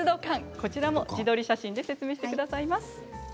こちらも自撮り写真で説明してくださいます。